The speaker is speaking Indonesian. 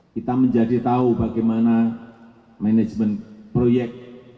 kita menjadi tahu bagaimana manajemen proyek